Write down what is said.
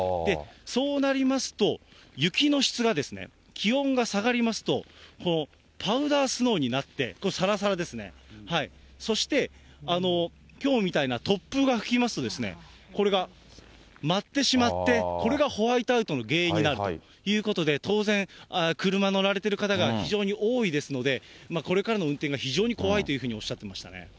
そうなりますと、雪の質が気温が下がりますと、パウダースノーになって、これ、さらさらですね、そして、きょうみたいな突風が吹きますと、これが舞ってしまって、これがホワイトアウトの原因になるということで、当然車乗られてる方が非常に多いですので、これからの運転が非常に怖いというふうにおっしゃってましたね。